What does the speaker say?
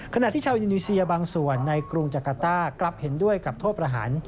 ขณะที่ชาวอินโดนีเซียบางส่วนในกรุงจักรต้ากลับเห็นด้วยกับโทษประหาร